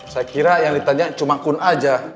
saya kira yang ditanya cuma kun aja